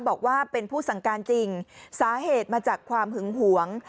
บอกว่าเป็นผู้สั่งการจริงสาเหตุมาจากความหึงหวง